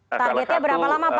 targetnya berapa lama pak